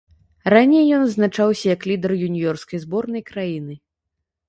Раней ён адзначаўся як лідар юніёрскай зборнай краіны.